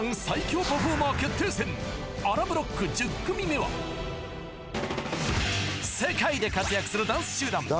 最強パフォーマー決定戦あらブロック１０組目は世界で活躍するダンス集団